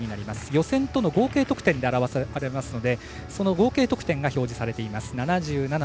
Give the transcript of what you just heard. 予選との合計得点で表されますのでその合計得点が表示されています。